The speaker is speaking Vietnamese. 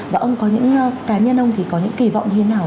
và ông có những cá nhân ông thì có những kỳ vọng như thế nào